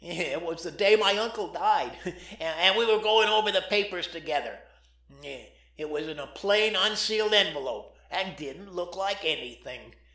It was the day my uncle died, and we were going over the papers together. It was in a plain, unsealed envelope—and didn't look like anything.